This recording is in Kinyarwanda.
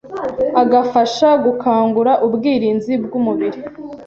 agafasha gukangura ubwirinzi bw'umubiri.